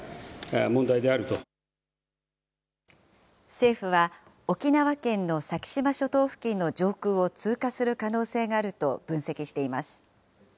政府は沖縄県の先島諸島付近の上空を通過する可能性があると分析しています。